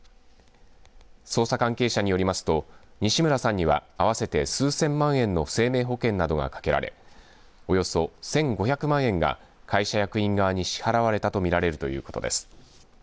捜査関係者によりますと西村さんには合わせて数千万円の生命保険などがかけられおよそ１５００万円が会社役員側に支払われたとみられるということです。